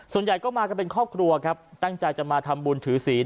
ส่วนใหญ่ก็มากันเป็นครอบครัวครับตั้งใจจะมาทำบุญถือศีล